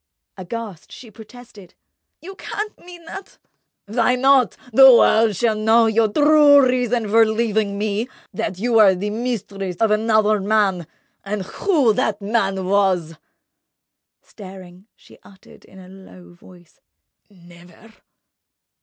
Aghast, she protested: "You can't mean that!" "Why not? The world shall know your true reason for leaving me—that you were the mistress of another man—and who that man was!" Staring, she uttered in a low voice: "Never!"